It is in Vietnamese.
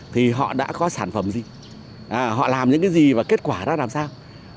thì họ đã có sản phẩm gì họ làm những cái gì và kết quả ra làm sao